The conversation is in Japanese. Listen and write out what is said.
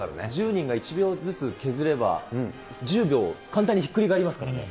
１０人が１秒ずつ削れば、１０秒簡単にひっくり返りますからね。